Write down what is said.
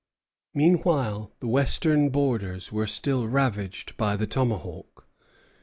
Meanwhile the western borders were still ravaged by the tomahawk.